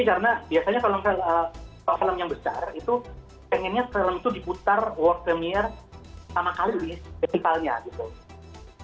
karena biasanya kalau film yang besar itu pengennya film itu diputar world premiere sama kali festivalnya gitu